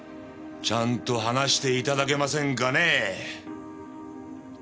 ちゃんと話して頂けませんかねえ？